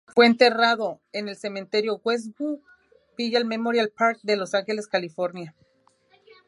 Fue enterrado en el Cementerio Westwood Village Memorial Park de Los Ángeles, California.